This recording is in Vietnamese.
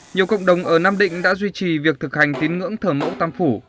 nhiều cộng đồng ở nam định đã duy trì việc thực hành tín ngưỡng thờ mẫu tam phủ